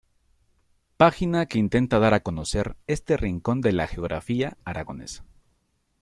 Página que intenta dar a conocer este rincón de la geografía aragonesa.